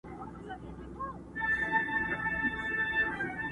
يوه ورځ وو د سرکار دام ته لوېدلى!.